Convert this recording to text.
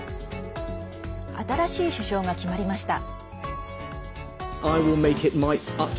新しい首相が決まりました。